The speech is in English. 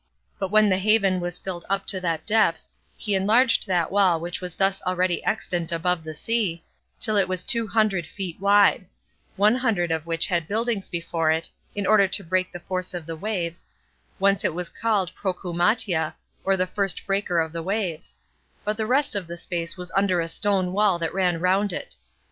But when the haven was filled up to that depth, he enlarged that wall which was thus already extant above the sea, till it was two hundred feet wide; one hundred of which had buildings before it, in order to break the force of the waves, whence it was called Procumatia, or the first breaker of the waves; but the rest of the space was under a stone wall that ran round it.